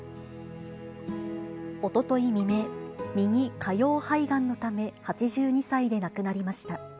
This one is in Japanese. おととい未明、右下葉肺がんのため８２歳で亡くなりました。